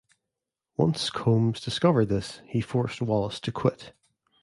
Once Combs discovered this, he forced Wallace to quit.